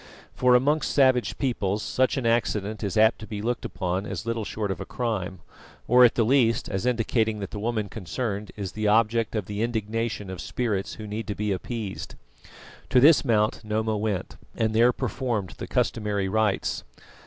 For amongst savage peoples such an accident is apt to be looked upon as little short of a crime, or, at the least, as indicating that the woman concerned is the object of the indignation of spirits who need to be appeased. To this Mount, Noma went, and there performed the customary rites.